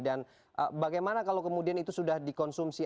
dan bagaimana kalau kemudian itu sudah dikonsumsi